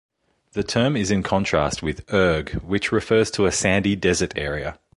This term is in contrast with "erg", which refers to a sandy desert area.